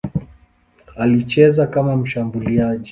Alicheza kama mshambuliaji.